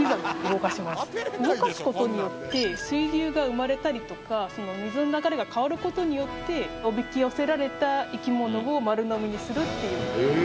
動かすことによって、水流が生まれたりとか、水の流れが変わることによって、おびき寄せられた生き物を丸飲みにするっていう。